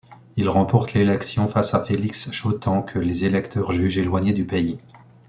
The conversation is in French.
Il remporte l'élection face à Félix Chautemps, que les électeurs jugent éloignés du pays.